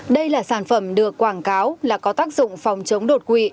đây là sản phẩm được quảng cáo là có tác dụng phòng chống đột quỵ